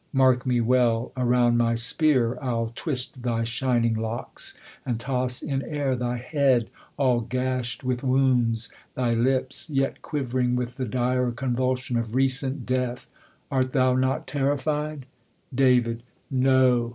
Mark me well! Around my spear I'll twist thy shining locks. And toss in air thy head all gash'd with wounds ;, Thy lips, yet quiv'ring with the dire convulsion Of recent death ! Art tliou not terrified ? Dav, No.